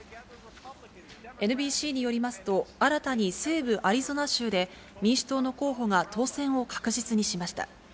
ＮＢＣによりますと、新たに西部アリゾナ州で、民主党の候補が当選を確実にしました。